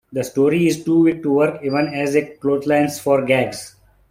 The story is too weak to work even as a clothesline for gags.